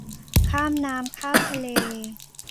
ข้ามน้ำข้ามทะเล